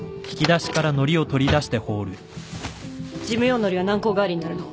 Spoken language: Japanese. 事務用のりは軟こう代わりになるの。